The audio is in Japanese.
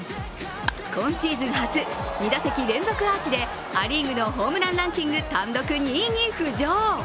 今シーズン初、２打席連続アーチでア・リーグのホームランランキング単独２位に浮上。